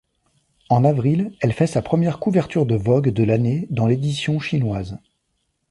En avril, elle fait sa première couverture de Vogue de l'année dans l'édition chinoise.